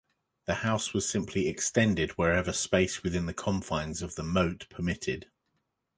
The house was simply extended wherever space within the confines of the moat permitted.